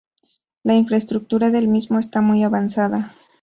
La infraestructura del mismo está muy avanzada.